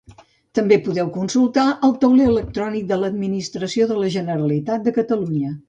També podeu consultar el tauler electrònic de l'Administració de la Generalitat de Catalunya.